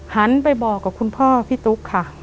หันไปบอกกับคุณพ่อพี่ตุ๊กค่ะ